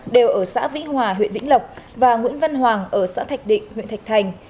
đều ở xã vĩnh hòa huyện vĩnh lộc và nguyễn văn hoàng ở xã thạch định huyện thạch thành